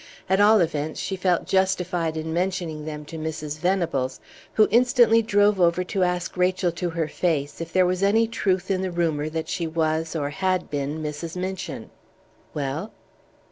At all events she felt justified in mentioning them to Mrs. Venables, who instantly drove over to ask Rachel to her face if there was any truth in the rumor that she was or had been Mrs. Minchin." "Well?"